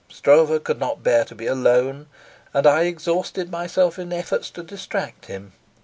Stroeve could not bear to be alone, and I exhausted myself in efforts to distract him.